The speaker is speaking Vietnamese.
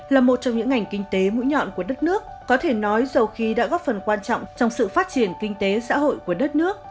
là một trong những ngành kinh tế mũi nhọn của đất nước có thể nói dầu khí đã góp phần quan trọng trong sự phát triển kinh tế xã hội của đất nước